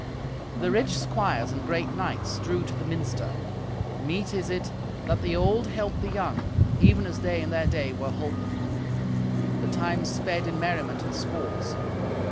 The rich squires and great knights drew to the minster. Meet is it that the old help the young, even as they in their day were holpen. The time sped in merriment and sports.